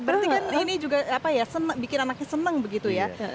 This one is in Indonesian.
berarti kan ini juga bikin anaknya seneng begitu ya